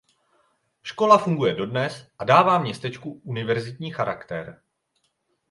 Škola funguje dodnes a dává městečku univerzitní charakter.